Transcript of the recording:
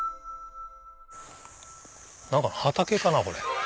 何か畑かなこれ。